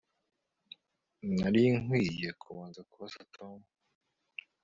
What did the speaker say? Nari nkwiye kubanza kubaza Tom